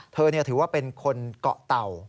ถือว่าเป็นคนเกาะเต่า